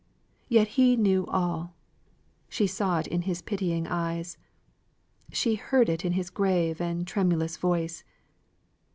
Yet he knew all. She saw it in his pitying eyes. She heard it in his grave and tremulous voice.